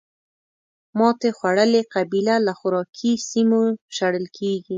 ماتې خوړلې قبیله له خوراکي سیمو شړل کېږي.